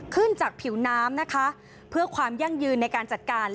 ขึ้นจากผิวน้ำนะคะเพื่อความยั่งยืนในการจัดการ